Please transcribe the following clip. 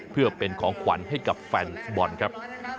เพื่อเป็นของขวัญให้กับแฟนฟุตบอลครับ